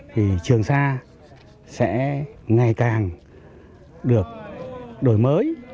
thì trường sa sẽ ngày càng được đổi mới